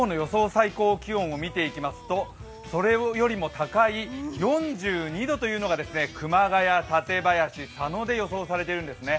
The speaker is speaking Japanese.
最高気温を見ていきますとそれよりも高い４２度というのが熊谷、館林、佐野で予想されているんですね。